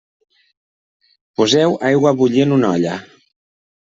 Poseu aigua a bullir en una olla.